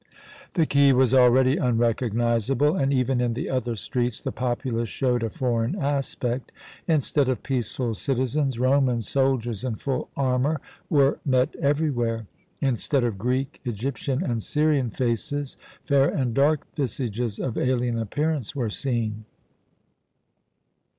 The quay was already unrecognizable, and even in the other streets the populace showed a foreign aspect. Instead of peaceful citizens, Roman soldiers in full armour were met everywhere. Instead of Greek, Egyptian, and Syrian faces, fair and dark visages of alien appearance were seen.